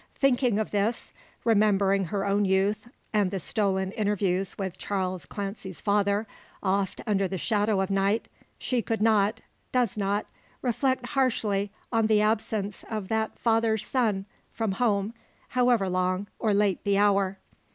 Thinking of this remembering her own youth, and the stolen interviews with Charles Clancy's father oft under the shadow of night she could not, does not, reflect harshly on the absence of that father's son from home, however long, or late the hour.